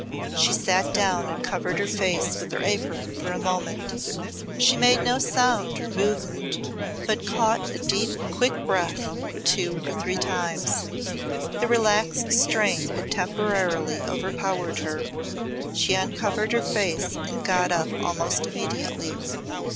She sat down and covered her face with her apron for a moment. She made no sound or movement, but caught a deep quick breath two or three times. The relaxed strain had temporarily overpowered her. She uncovered her face and got up almost immediately.